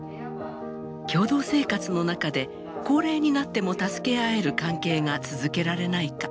共同生活の中で高齢になっても助け合える関係が続けられないか。